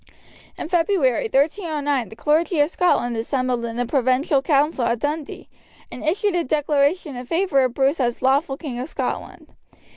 In February, 1309, the clergy of Scotland assembled in a provincial council at Dundee, and issued a declaration in favour of Bruce as lawful king of Scotland.